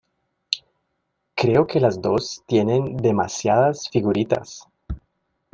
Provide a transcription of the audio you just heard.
Creo que las dos tienen demasiadas figuritas.